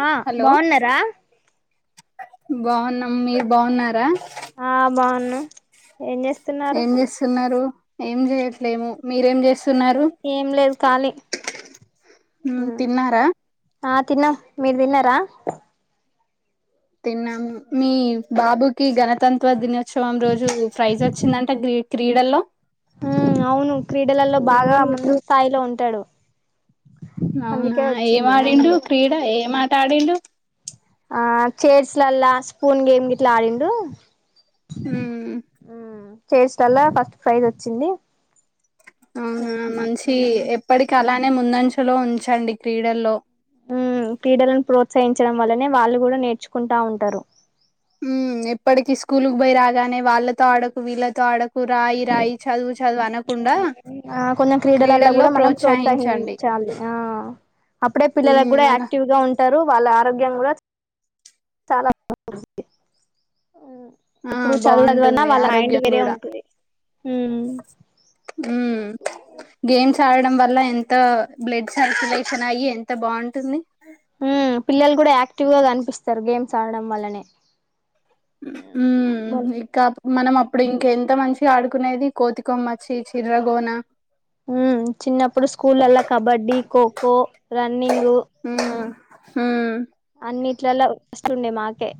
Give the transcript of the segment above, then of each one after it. ఆ హలో బాగున్నారా బాగున్నాం మీర్ బాగున్నారా ఆ బాగున్నా ఏం చేస్తున్నారు ఏం జేస్తున్నారు మీరేం జేస్తున్నారు ఏం లేదు ఖాళీ మ్ తిన్నారా ఆ తిన్న మీర్ తిన్నారా తిన్నాము మీ బాబుకి గణతంత్ర దినోత్సవం రోజు ప్రైజ్ వచ్చిందంట గ్రీ క్రీడల్లో హు్ అవును క్రీడలల్లో బాగా ముందు స్థాయిలో ఉంటాడు అవునా అందుకే ఏం వచ్చింది ఆ ఆడిండు క్రీడ ఏం ఆటా ఆడిండు ఆ చైర్స్ లల్ల స్పూన్ గేమ్ గిట్లా ఆడిండు ఉమ్ చైర్స్లల్ల ఫస్ట్ ప్రైజ్ ఓచ్చింది అవున మంచి ఎప్పడికలానే ముందంచలో ఉంచండి క్రీడల్లో ఉమ్ క్రీడలనీ ప్రోత్సహించడం వల్లనే వాళ్ళు గుడ నేర్చుకుంటా ఉంటారు ఉమ్ ఎప్పటికి స్కూల్కు పోయి రాగానే వాళ్ళతో ఆడకు వీళ్ళతో ఆడకు రాయి రాయి చదువు చదువు అనకుండా ఆ కొంచం క్రీడలలో క్రీడల్లో గూడ మనం ప్రోత్సహించండి ప్రోత్సహించాలి ఆ అప్పుడే పిల్లలక్ ఉమ్ గూడ అలా యాక్టివ్ గా ఉంటారు వాళ్ళ ఆరోగ్యం గూడ చాలా ఉమ్ ఆ ఇప్పుడు చదువు చదువు అన్న బాగుంటుంది వాళ్ళ మైండ్ ఆరోగ్యం వేరే కూడా ఉంటది ఉమ్ చదవడం వల్ల ఎంత బ్లడ్ సర్క్యులేషన్ అయ్యి ఎంత బాగుంటుంది ఆక్టివ్ గా ఆనిపిస్తారు గేమ్స్ ఆడడం వల్లనే ఉమ్ ఇకా మనం అప్ పుడు ఇంకెంత మంచిగా ఆడుకునేది కోతి కొమ్మచ్చి చిర్రగోన ఉమ్ చిన్నప్పుడు స్కూల్లలా కబడ్డీ ఖోఖో రన్నింగు ఉమ్ ఉమ్ అన్నిట్లల ఫస్ట్ ఉండే మాకే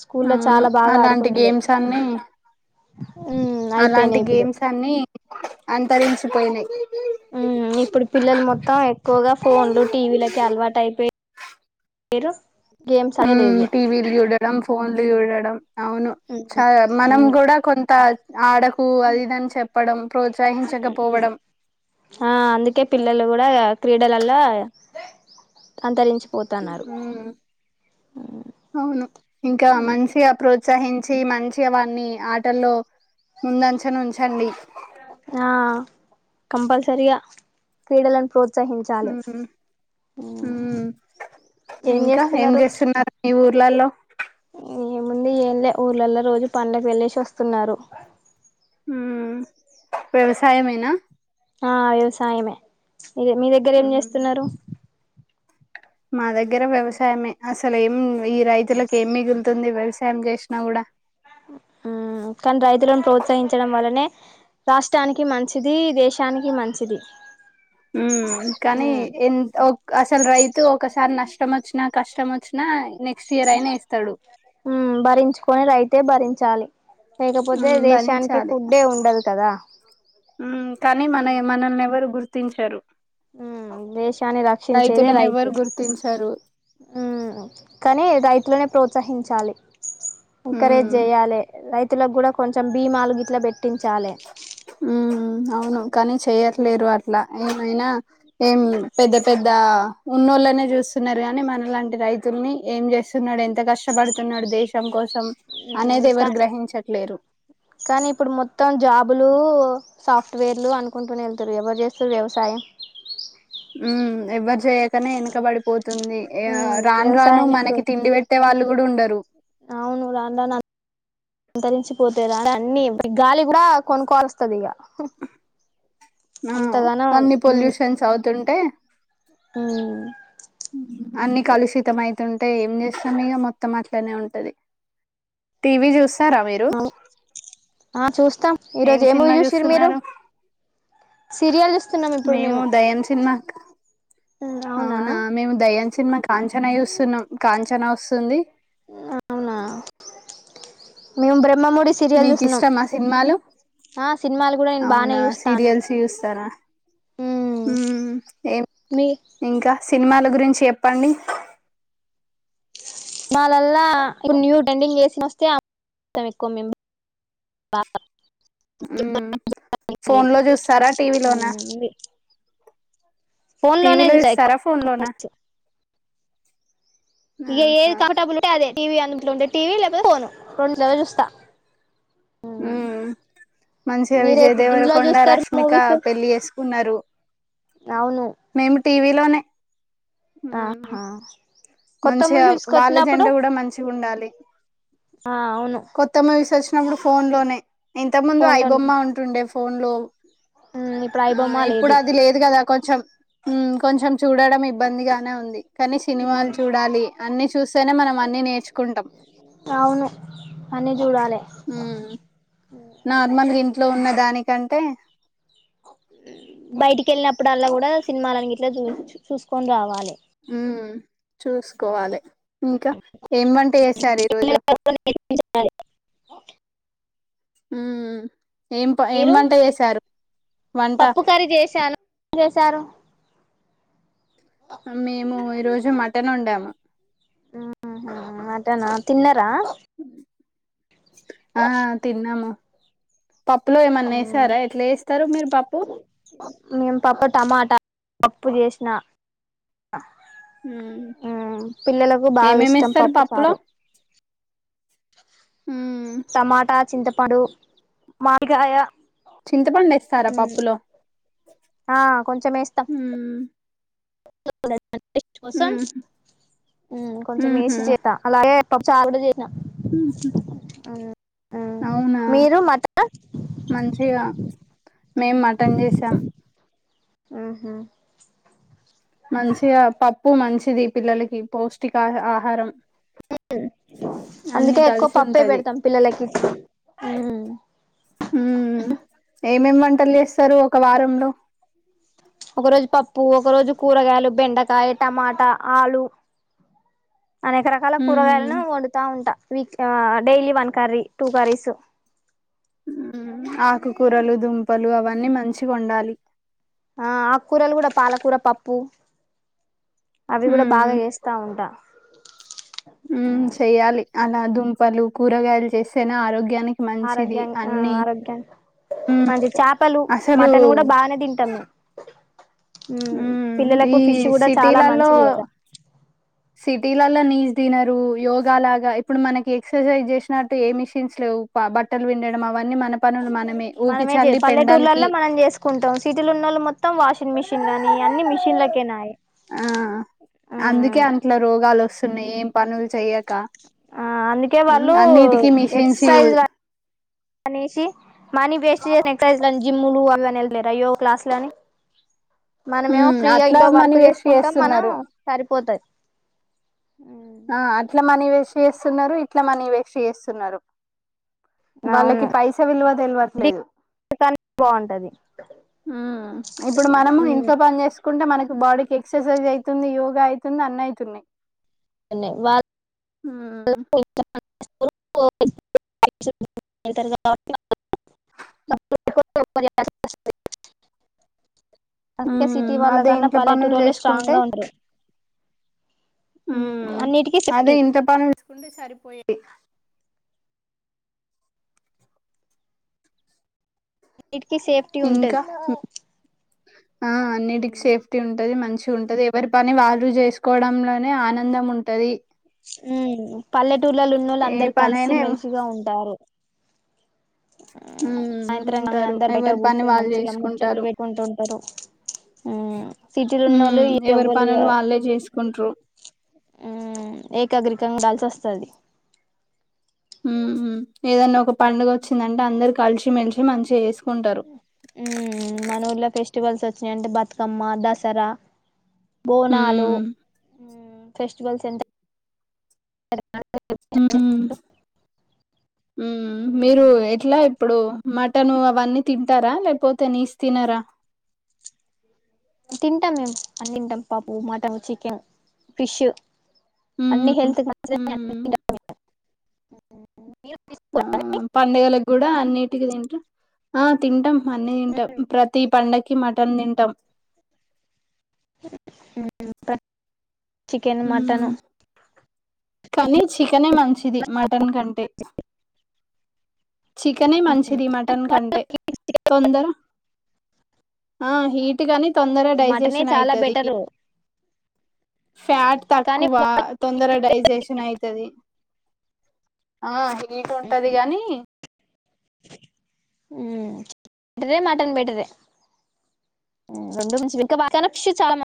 స్కూల్లో అవును చాలా బాగా అలాంటి ఆడుకుంటుండే గేమ్స్ అన్ని ఉమ్ అలాంటి అయిపోయినాయి ఇప్పుడు గేమ్స్ అన్ని అంతరించిపోయినై ఉమ్ ఇప్పుడు పిల్లలు మొత్తం ఎక్కువగా ఫోన్లు మీరు ఉమ్ టీవీలు చూడడం ఫోన్లు చూడడం అవును చ మనం గుడా కొంత ఆడకు అది ఇదని చెప్పడం ప్రోత్సహించకపోవడం ఆ అందుకే పిల్లలు గుడా క్రీడలల అంతరించి ఉమ్ అవును ఇంకా మంచిగా ప్రోచ్ ప్రోత్సహించి మంచిగ వాన్ని ఆటల్లో ముందంచున ఉంచండి ఆహ్ కంపల్సరిగా క్రీడలను ప్రో ప్రోత్సహించాలే ఉమ్ ఉమ్ ఏం చేస్తున్నారు లలో ఏముందు ఎంలే ఊర్ళలో రోజు పండ్లక్కేళ్లేసి ఓస్తున్నారు వ్యవసాయమేనా ఆహ్ వ్యవసాయమే మీదెగ్గర ఏం ఉమ్ చేస్తున్నారు మా దెగ్గర వ్యవసాయమే అసల్ ఏం ఈ రైతులలకు ఏం మిగులుతుంది వ్యవసాయం చేసినా గుడ ఉమ్ కాన్ రైతులనీ ప్రోత్సహించడం వలనే రాష్ట్రానికి మంచిది దేశానికి మంచిది ఉ కానీ ఎన్ ఒక్ అసలు రైతు ఒకసారి నష్ ష్టం వచ్చిన కష్టం వచ్చిన ఉమ్ భరించుకొని రైతే భరించాలి లేకపోతే ఉమ్ దేశానికి భరించాలి ఫుడ్డే ఉండదు కదా ఉమ్ కానీ మన ఎమన ల్న్ ఎవరు గుర్తించారు ఉమ్ దేశాన్ని రక్షించేదే రైతు ఎవరు గుర్తించరు ఉమ్ కానీ రైతులోనే ప్రోత్ త్సహించాలి ఎంకరేజ్ ఉమ్ చేయాలి రైతులకు కూడా కొంచెం భీమాలు గిట్ల పెట్ ఉమ్ అవును కానీ చెయ్యట్లేరు అట్లా ఏం అయినా ఏం పెద్ద పెద్ద ఉన్నోళ్ళనే చూస్తున్నారు కనీ మనలాంటి రైతుల్ని ఏం చేస్తున్నాడు ఎంత కష్టపడుతున్నాడు దేశం కోసం ఉమ్ అనేది ఎవరు గ్రహించట్లేరు కానీ ఇప్పుడు మొత్తం జాబ్ బులు సాఫ్ట్వేర్లు అనుకుంటునే ఎల్తురు ఎవరు చేస్తున్రు వ్యవసాయం ఉమ్ ఎవ్వరు చేయకనే వెనకబడిపోతుంది ఎ ఉమ్ రాను రాను వ్యవసాయాన్ని ప్రో మనకి తిండి పెట్టే వాళ్ళు కుడు ఉండరు అవును రాన్ రాన్ అం తరించిపోతేర అన్ని గాలి కూడా కొనుకోవాల్స్తుది ఇగ ఆ అంతగానం అన్ని మ్మ్ పొల్యూషన్స్ అవుతుంటే మ్మ్ అన్ని కలిషితమై తుంటే ఏం చేస్తాం ఈగ మొత్తం అట్లానే ఉంటది టీవి చూస్ స్తారా మీరు అవును ఆ చూస్తాం ఈ రోజు ఏం ఏ మూవీ సినిమా చూసిర్రు మీరు చూస్తున్నారు సీరియల్ చూస్తున్నాం ఇప్పుడు మేము దయ్యం సినిమా అవునా మేము దయ్యం సినిమాక్ కాంచనా చూస్తున్నాం కాంచనా వస్తుంది అవునా మేము బ్రహ్మ ముడి సీరియల్ చూస్తున్నాం మీకిష్టమా సినిమాలు? ఆ సినిమాలు కూడా నేను బానే చూస్తాను మ్మ్ ఉమ్ ఏం మీ ఇంకా సినిమాలు గురించి చెప్పండి మాాలల్లా ఇపుడ్ న్యూ ట్రెండింగ్ చేసిన వస్తే ఆప్తం ఎక్కువ మేము ఉమ్ ఫోన్ లో చూస్తారా టీవీ లోన మ్మ్ ఫోన్ లోనే టీవీలో చూస్తా ఎక్కువ చూస్తారా ఫోన్ లోనా ఇగ ఏది ఆహా కంఫర్టబుల్ ఉంటే అదే టీవీ అందులో ఉంటే టీవి లేకపోతే ఫోను రెండుట్ల చూస్తా ఉమ్ మంచిగా మీరే విజయ దేవర ఎందులో కొండ చూస్తారు రష్మిక మూవీస్ పెళ్లి చేసుకున్నారు అవును మేము టీవీలోనే ఉం ఆహా కొత్త మూవీ మంచిగా వాళ్ళ తీసుకొచ్చినప్పుడు జెంట కూడా మంచి ఉండాలి ఆ అవును ప్పుడు ఫోన్ లోనే ఇంతక్ ముందు ఫోన్ లోనే ఐబొమ్మ ఉంటుండే ఫోన్ లో ఇప్పుడు ఆ ఐబొమ్మ ఇప్పుడు అది లేదు కదా కొంచం ఉమ్ కొంచెం చూడడం ఇబ్బందిగానే ఉంది కానీ సినిమాలు లి అన్ని చూస్తేనే మనం అన్ని నేర్చుకుంటాం అవును అన్ని చూడాలి ఉం నార్మల్ గా ఇంట్లో ఉన్న దానికంటే బయటికి వెళ్ళినప్పుడల్లా కూడా సినిమాలని గిట్లా చూ చూసుకొని రావాలే ఉమ్ చూసుకోవాలే ఇంకా ఏం వంట చేసారు ఈరోజు మ్ ఏం ప ఏం మీరు వంట చేశారు వంట చారు మేము ఈ రోజు మటన్ వొండాము ఆ హ మాటనా తిన్న ఆ తిన్నాము పప్పులో ఏమన్నా మ్ వేసారా ఎట్లా వేస్తారు మీరు పప్పు మేం పప్పు టమాటా పప్పు జెశిన ఉమ్ ఆ పిల్లలకు బాగా ఏమేమి ఇష్టం వేస్తారు పప్పు పప్పులో చారు ఉమ్ టమాటా చింతపాండు మాడికాయ చింతపండేస్తారా పప్పులో ఆ కొంచం ఎస్తం ఉమ్ [unintelligible] కోసం ఉమ్ మ్ కొంచెం వేసి ఉహు చెత్త అలాగే చారు కూడ చేసిన ఉహు ఆ ఆ అవునా మీరు మట న్ మేమ్ మటన్ చేసాం ఆహా మంచిగా పప్పు మంచిది పిల్లలకి పౌష్టికా ఆహా ఆహారం అన్ని అందుకే ఎక్కువ కలిసి పప్పే ఉంటది పెడుతాం పిల్లలకి ఉమ్ హుమ్ ఏమేమ్ వంటలు చేస్తారు ఒక వారంలో ఒక రోజు పప్పు ఒక రోజు కూరగాలు బెండకాయ్ టమాటా ఆలు అనేక రకాల కూరగాయలను ఉమ్ వొండుతా ఉంటా వీక్ ఆ daily one curry two curries ఆకుకూరలు దుంపలు అవన్నీ మంచిగా వొండాలి ఆ అక్కూరలు కూడా పాలకూర పప్పు అవి గూడ బాగా ఉమ్ చేస్తా ఉంటా మ్ చెయ్యాలి అలా దుంపలు కూరగాయలు చేస్తేనే ఆరోగ్ గ్యనికి మంచిది ఆరోగ్యాన్ని అన్ని ఆరోగ్యాన్ని ఉమ్ మంచి చాపలు అసలు మటన్ గూడ బానే తింటాం మేమ్ మ్ ఈ కూడా చాలా సిటీలల్లో మంచిది కదా సిటీలల్లో నీస్ తినరు యోగా లాగా ఇప్పుడు మనకి ఎక్సర్సైజ్ చేష్నట్టు ఏ మిషిన్స్ లేవు ప బట్టలు విండడం అవన్నీ మన పనులు మన మనమే చే పల్లెటూర్లల్లో మనం చేసుకుంటాం సిటీలు ఉన్నోళ్లు మొత్తం వాషింగ్ మిష్ షీండ్లని అన్ని మిషన్లకేనయే ఆ ఆ అందుకే అంట్ల రోగాలు వస్తున్నాయి ఏం పనులు చెయక ఆ అందుకే ఉమ్ వాళ్ళు అన్నిటికీ మిషన్స్ యూ ఎక్సర్సైజ్ అనేసి మనీ వేస్ట్ చేస్ ఎక్ససైజు లని జిమ్ములు అవన్ లేర్ ఆ యోగ క్లాస్ లని మనమేమో ఉమ్ ఫ్రీగా అట్లా ఇంట్లో మనీ వర్క్ వేస్ట్ చేసుకుంటాం మన చేస్తున్నారు సరిపోతాధ్ అ ఆ అట్లా మనీ వేస్ట్ చేస్తున్నారు ఇట్లా మనీ వేస్ట్ చేస్తున్నారు వాళ్ళకి అవును పైసా విలువ తెల్వట్లేదు బాగుంటది ఉమ్ ఇప్పుడు మనము ఇంట్లో పని చేసుక్ కుండా మనకి బాడీకి ఎక్సర్సైజ్ అయితుంది యోగా అయితుంది అన్ని అయితున్నాయి న్నాయి వా ఉమ్ [unintelligible] అంద్ కె సిటీ ఉమ్ వాళ్ల అదే కన్నా ఇంట్లో పనులు పల్లెటూరోళ్లే చేసుకుంటే స్ట్రాంగ్గా ఉంటరు ఉమ్ అదే సేఫ్టీ ఇంట్ల పని చేసుకుంటే సరిపోయేది అన్నిటికీ సేఫ్టీ ఇంకా ఉంటది ఉ ఆ అన్నిటికి సేఫ్టీ ఉంటది మంచ్ చు ఉంటది ఎవరి పని వాళ్ళు చేసుకోవడంలోనే ఆనందం ఉంటది ఉ పల్లెటూర్లలొన్నోళ్ళు ఏ అందరు కలిసి పనైనా మెలిసిగ ఉంటారు ఉమ్ సాయంత్రం కాగానే ఉంటారు అందరు బయట ఎవరి పని కూర్చొని వాళ్ళు మంచిగా ముచెట్లు చేసుకుంటారు పెట్టుకుంటుఉంటరు ఉ సిటీలున్నోళ్ళు ఉమ్ ఎవరి ఎవ్వలుగా పనులు వాళ్ళే చేసుకుంట్రు ఉ ఏకగ్రికంగ ఉండాల్సొస్తది ఉ ఏదన్న ఒక పండుగ వచ్చిందంటే అందరు కలిసి మెలిసి మంచిగా చేస్ ఉ మనుర్ల ఫెస్ట ఫెస్టివల్స్ వచ్చినయఅంటే బతుకమ్మ దసరా బోనాలు ఉమ్ ఫెస్టివల్స్ ఎంత [inaudible] ఉ ఉ ఉమ్ మీరు ఎట్ల ఇప్పుడు మటన్ అవన్నీ తింటారా లేకపోతే నీస్ తినరా [inaudible] తింటం మేమ్ అని తింటం పప్పు మటన్ చికెన్ ఫిష్ అన్ని ఉమ్ హెల్త్ కి మంచిదె ఉమ్ ఆ పండగలకు కూడా అన్నింటికి తింట్ర ఆ తింటాం అన్ని తింటమ్ ప్రతి పండకి మటన్ తింటమ్ చికెన్ మటను కాని చికెనే మంచిది మటన్ కంటే చికెనే మంచిది మటన్ కంటె తొందర ఆ హీట్ గని తొందరగ మటనే డైజెషన్ చాలా అయితది బెటరు ఫ్యాట్ కానీ తక్కువ తొందర డైజెషన్ అయితది ఆ హీట్ ఉంటది గని ఉ మటన్ బేటరే ఇంకా మట్టన్ ఫిష్ చాలా [inaudible]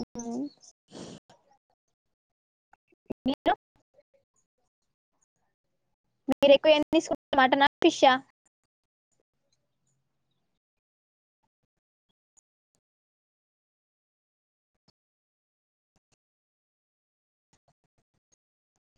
ఉ ఉమ్ మీరు మీరెక్కువ ఏంతీసుకుంటరు మటన్ ఆ ఫిష్ ఆ